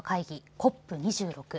ＣＯＰ２６。